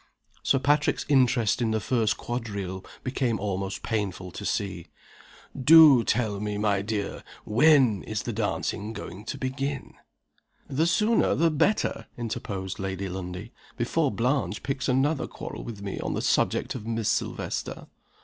Sir Patrick's interest in the first quadrille became almost painful to see. "Do tell me, my dear, when is the dancing going to begin?" "The sooner the better," interposed Lady Lundie; "before Blanche picks another quarrel with me on the subject of Miss Silvester."